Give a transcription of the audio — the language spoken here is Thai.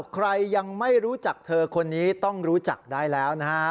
ใครยังไม่รู้จักเธอคนนี้ต้องรู้จักได้แล้วนะฮะ